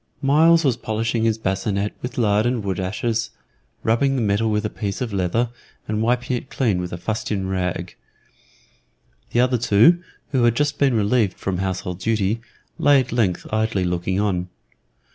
Myles was polishing his bascinet with lard and wood ashes, rubbing the metal with a piece of leather, and wiping it clean with a fustian rag. The other two, who had just been relieved from household duty, lay at length idly looking on.